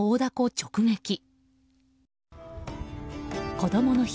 こどもの日